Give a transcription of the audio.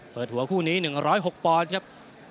เปิดหัวคู่นี้๑๐๖ปอนด์ครับ